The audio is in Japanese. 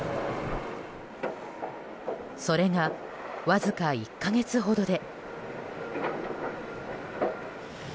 それがわずか１か月ほどで。